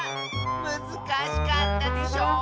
むずかしかったでしょう？